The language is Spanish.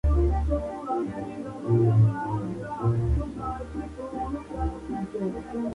Manteniendo así su fidelidad a la Corona española.